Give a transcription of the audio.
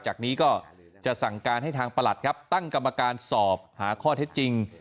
จากนี้ก็จะสั่งการให้ทางประหลัดครับตั้งกรรมการสอบหาข้อเท็จจริง